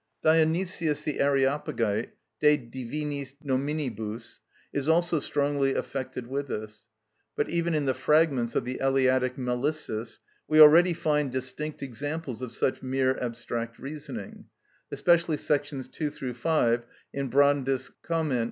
Dionysius the Areopagite, "De Divinis Nominibus," is also strongly affected with this. But even in the fragments of the Eleatic Melissus we already find distinct examples of such mere abstract reasoning (especially § 2 5 in Brandis' _Comment.